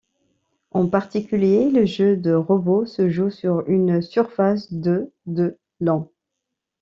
En particulier, le jeu de rebot se joue sur une surface de de long.